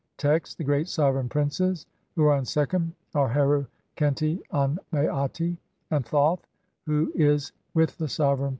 Text : (1) The great sovereign princes who are in Sekhem are Heru khenti an maati, 2 and Thoth who is with the sovereign 1.